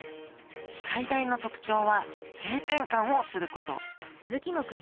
最大の特徴は性転換をすること。